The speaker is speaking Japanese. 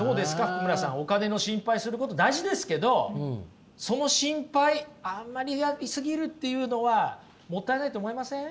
福村さんお金の心配すること大事ですけどその心配あんまりやり過ぎるっていうのはもったいないと思いません？